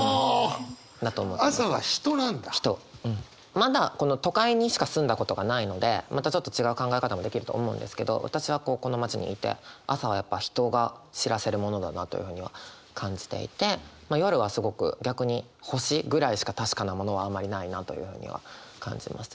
まだこの都会にしか住んだことがないのでまたちょっと違う考え方もできると思うんですけど私はこうこの街にいて朝はやっぱ人が知らせるものだなというふうには感じていてまあ夜はすごく逆に星ぐらいしか確かなものはあんまりないなというふうには感じます。